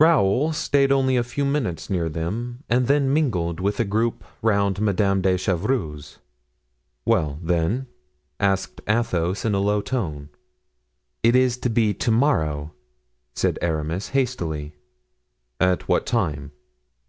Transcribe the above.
Raoul stayed only a few minutes near them and then mingled with the group round Madame de Chevreuse. "Well, then?" asked Athos, in a low tone. "It is to be to morrow," said Aramis hastily. "At what time?"